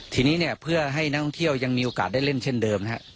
ทีนี้เนี่ยเพื่อให้นักท่องเที่ยวยังมีโอกาสได้เล่นเช่นเดิม